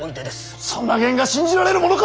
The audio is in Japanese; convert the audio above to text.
そんな言が信じられるものか！